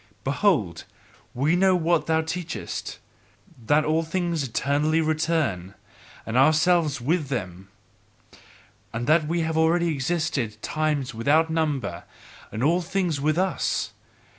Behold, we know what thou teachest: that all things eternally return, and ourselves with them, and that we have already existed times without number, and all things with us.